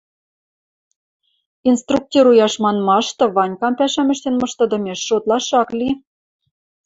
Инструктируяш манмашты Ванькам пӓшӓм ӹштен мыштыдымеш шотлаш ак ли.